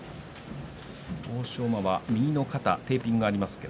欧勝馬、右の肩テーピングがあります。